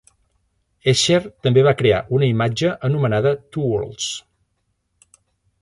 Escher també va crear una imatge anomenada "Two Worlds".